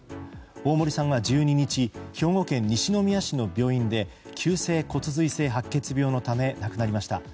大森さんは１２日兵庫県西宮市の病院で急性骨髄性白血病のため亡くなりました。